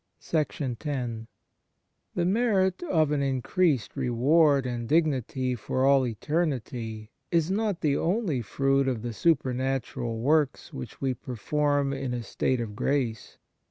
THE MARVELS OF DIVINE GRACE r I ^HE merit of an increased reward and dignity for all eternity is not the only fruit of the supernatural works which we perform in a state of grace.